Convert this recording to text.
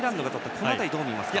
この辺りはどう見ますか。